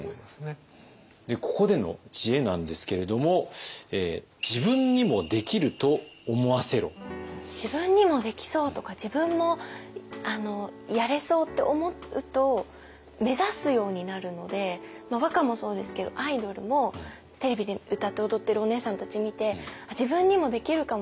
ここでの知恵なんですけれども「自分にもできそう」とか「自分もやれそう」って思うと目指すようになるのでまあ和歌もそうですけどアイドルもテレビで歌って踊ってるお姉さんたち見て自分にもできるかも！